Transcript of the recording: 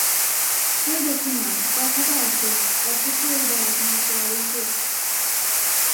ঐ দেখুন-না, কথাটা একই, অথচ এইবার আপনি একেবারেই চুপ।